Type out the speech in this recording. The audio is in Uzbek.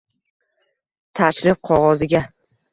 Tashrif qog`oziga